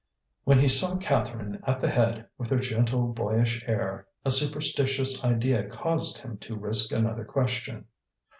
When he saw Catherine at the head, with her gentle boyish air, a superstitious idea caused him to risk another question.